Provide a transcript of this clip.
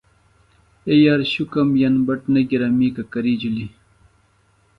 اے یار شُکم ین بٹ نہ گِرا می ککری جُھلیۡ۔